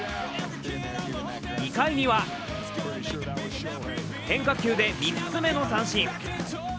２回には、変化球で３つ目の三振。